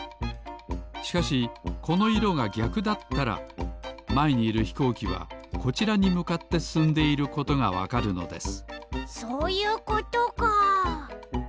しかしこの色がぎゃくだったらまえにいるひこうきはこちらにむかってすすんでいることがわかるのですそういうことか。